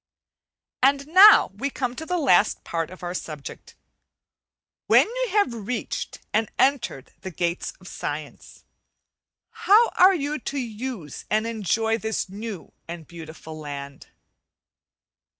And now we come to the last part of our subject. When you have reached and entered the gates of science, how are you to use and enjoy this new and beautiful land?